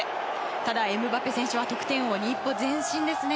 ただ、エムバペ選手は得点王へ一歩前進ですね。